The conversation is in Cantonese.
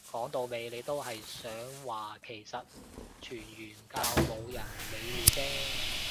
講到尾你都係想話其實傳完教都冇人會理啫